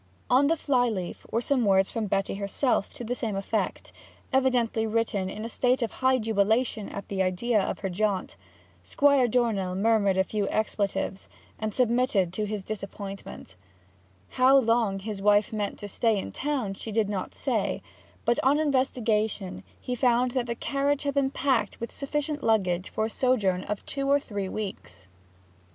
On the fly leaf were some words from Betty herself to the same effect, evidently written in a state of high jubilation at the idea of her jaunt. Squire Dornell murmured a few expletives, and submitted to his disappointment. How long his wife meant to stay in town she did not say; but on investigation he found that the carriage had been packed with sufficient luggage for a sojourn of two or three weeks.